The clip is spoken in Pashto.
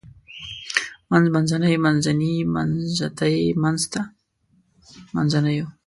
منځ منځنۍ منځني منځتی منځته منځنيو